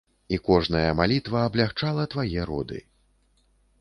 І кожная малітва аблягчала твае роды.